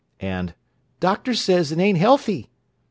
and "Doctor says it ain't healthy!"